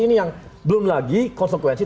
ini yang belum lagi konsekuensi